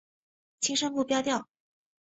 轻声不标调。